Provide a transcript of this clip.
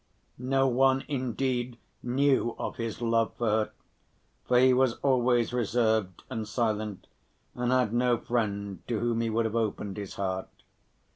No one indeed knew of his love for her, for he was always reserved and silent and had no friend to whom he would have opened his heart.